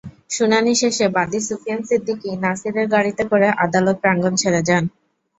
শুনানি শেষে বাদী সুফিয়ান সিদ্দিকী নাছিরের গাড়িতে করে আদালত প্রাঙ্গণ ছেড়ে যান।